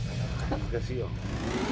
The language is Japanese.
難しいよ。